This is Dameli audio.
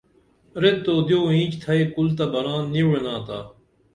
ریت دیو اینچ تھئی کُل تہ بران نی وِعنا تا